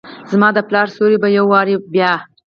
زماد پلار سیوری به ، یو وارې بیا،